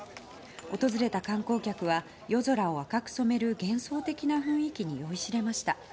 訪れた観光客は夜空を赤く染める幻想的な雰囲気に酔いしれました。